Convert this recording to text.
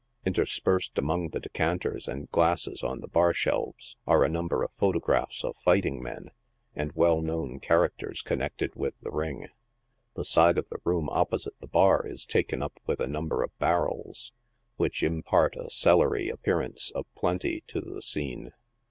Interpersed among the decanters and glasses on the bar shelves are a number of photographs of fighting men. and "well known characters connected with the ring. The side of the room opposite the bar is taken up with a number of barrels, which impart a cellary appearance of plenty to the scene.